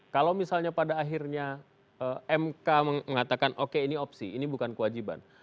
kalau misalnya pada akhirnya mk mengatakan oke ini opsi ini bukan kewajiban